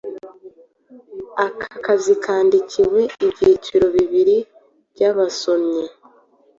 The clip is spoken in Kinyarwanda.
Aka kazi kandikiwe ibyiciro bibiri byabasomyi